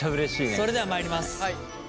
それではまいります。